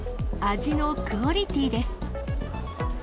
味のクオリティーです。